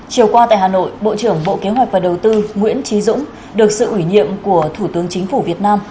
chiều qua tại hà nội bộ trưởng bộ kế hoạch và đầu tư nguyễn trí dũng được sự ủy nhiệm của thủ tướng chính phủ việt nam